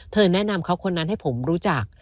แนะนำเขาคนนั้นให้ผมรู้จัก